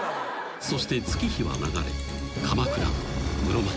［そして月日は流れ鎌倉室町